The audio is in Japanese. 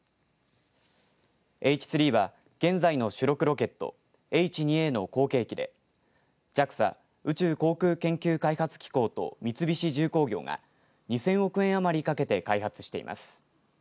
Ｈ３は現在の主力ロケットＨ２Ａの後継機でＪＡＸＡ、宇宙航空研究開発機構と三菱重工業が２０００億円余りかけて開発しています。